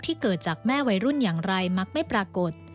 เกิดจากแม่วัยรุ่นอย่างไรมักไม่ปรากฏ